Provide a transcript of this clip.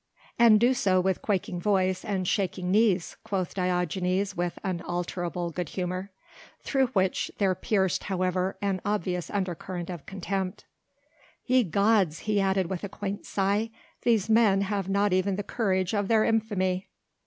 "And do so with quaking voice and shaking knees," quoth Diogenes with unalterable good humour, through which there pierced however an obvious undercurrent of contempt. "Ye gods!" he added with a quaint sigh, "these men have not even the courage of their infamy!"